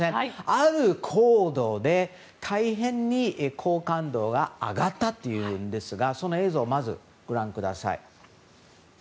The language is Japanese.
ある行動で大変に好感度が上がったというんですがその映像をご覧ください。